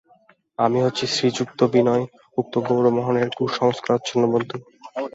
আমি হচ্ছি শ্রীযুক্ত বিনয়– উক্ত গৌরমোহনের কুসংস্কারাচ্ছন্ন বন্ধু।